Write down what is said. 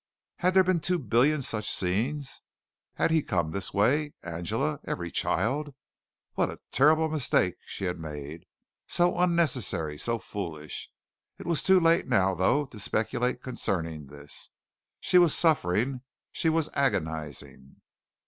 Had there been two billion such scenes? Had he come this way? Angela? every child? What a terrible mistake she had made so unnecessary, so foolish. It was too late now, though, to speculate concerning this. She was suffering. She was agonizing.